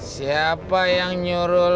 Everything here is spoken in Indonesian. siapa yang nyuruh